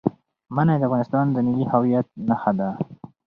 منی د افغانستان د ملي هویت نښه ده.